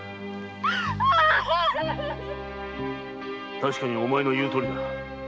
確かにお前の言うとおりだ。